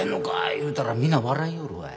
言うたらみんな笑いよるわい。